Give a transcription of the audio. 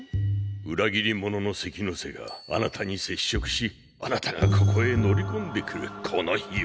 裏切り者の関ノ瀬があなたに接触しあなたがここへ乗り込んでくるこの日を。